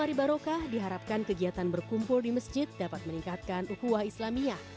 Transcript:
dari lemari barokah diharapkan kegiatan berkumpul di masjid dapat meningkatkan ukuhuah islamiyah